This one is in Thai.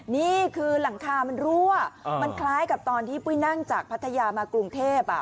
นี่คือหลังคามันรั่วมันคล้ายกับตอนที่ปุ้ยนั่งจากพัทยามากรุงเทพอ่ะ